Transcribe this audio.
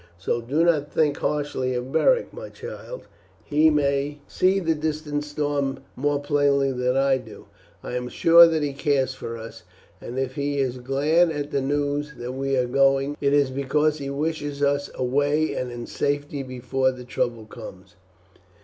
So do not think harshly of Beric, my child; he may see the distant storm more plainly than I do. I am sure that he cares for us, and if he is glad at the news that we are going, it is because he wishes us away and in safety before the trouble comes.